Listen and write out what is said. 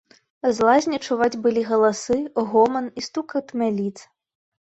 З лазні чуваць былі галасы, гоман і стукат мяліц.